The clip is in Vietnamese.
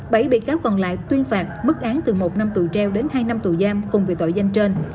bảy bị cáo còn lại tuyên phạt mức án từ một năm tù treo đến hai năm tù giam cùng với tội danh trên